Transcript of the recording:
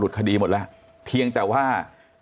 คดีหมดแล้วเพียงแต่ว่า